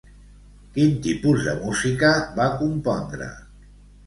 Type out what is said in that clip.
Quin tipus de música va compondre?